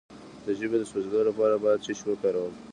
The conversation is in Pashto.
د ژبې د سوځیدو لپاره باید څه شی وکاروم؟